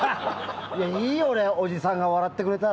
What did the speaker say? いいよねおじさんが笑ってくれたら。